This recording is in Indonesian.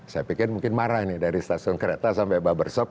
saya pikir mungkin marah nih dari stasiun kereta sampai barbershop